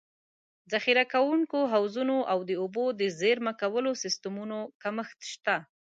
ذخیره کوونکو حوضونو او د اوبو د زېرمه کولو سیستمونو کمښت شته.